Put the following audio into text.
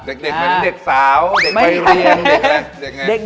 เด็กเหมือนเด็กสาวเด็กไปเรียนเด็กไง